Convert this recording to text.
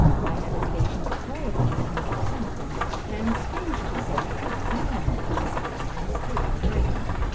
I had occasion to call upon him for something, and strange to say, he was alone, sitting by his table writing.